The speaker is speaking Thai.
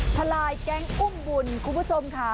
ทุกคนค่ะ